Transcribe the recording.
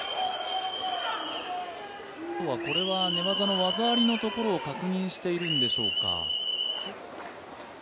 これは寝技の技ありのところを確認しているんでしょうか。